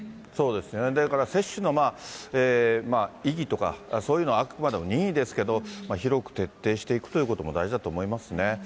ですから接種の意義とか、そういうのはあくまでも任意ですけれども、広く徹底していくということも大事だと思いますね。